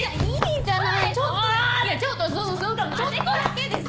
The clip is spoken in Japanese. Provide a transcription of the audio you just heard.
ちょっとだけです！